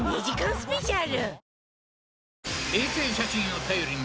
スペシャル